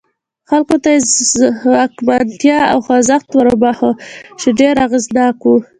خلکو ته یې ځواکمنتیا او خوځښت وروباښه چې ډېر اغېزناک و.